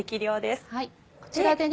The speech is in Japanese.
こちらでね